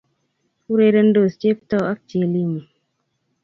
Urerendos Cheptoo ak Chelimo